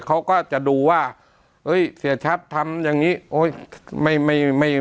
เขาก็จะดูว่าเฮ้ยเสียชัดทำอย่างนี้